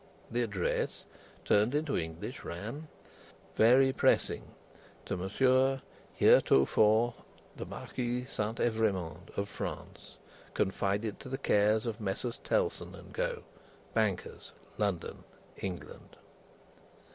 The address, turned into English, ran: "Very pressing. To Monsieur heretofore the Marquis St. Evrémonde, of France. Confided to the cares of Messrs. Tellson and Co., Bankers, London, England."